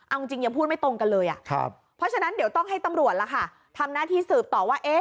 เอาจริงยังพูดไม่ตรงกันเลยเพราะฉะนั้นเดี๋ยวต้องให้ตำรวจล่ะค่ะทำหน้าที่สืบต่อว่า